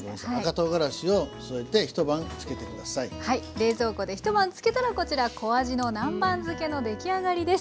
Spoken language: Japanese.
冷蔵庫で一晩つけたらこちら「小あじの南蛮漬け」の出来上がりです。